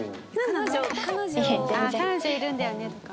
ああ「彼女いるんだよね」とか？